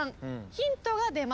ヒントが出ます。